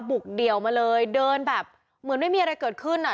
เดี่ยวมาเลยเดินแบบเหมือนไม่มีอะไรเกิดขึ้นอ่ะ